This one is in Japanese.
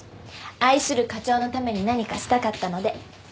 愛する課長のために何かしたかったので。